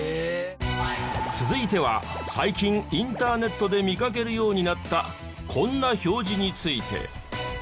続いては最近インターネットで見かけるようになったこんな表示について。